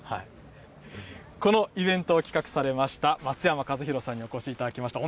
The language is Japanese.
このイベントを企画されました、松山和弘さんにお越しいただきました。